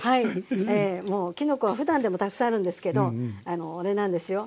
もうきのこはふだんでもたくさんあるんですけどあれなんですよ。